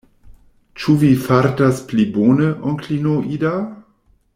Ĉu vi fartas pli bone, onklino Ida?